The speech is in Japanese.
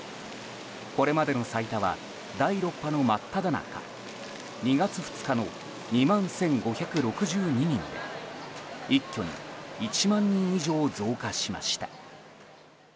これまでの最多は第６波の真っただ中２月２日の２万１５６２人で一挙に１万人以上増加しました。